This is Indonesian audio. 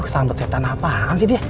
sambet setan apaan sih dia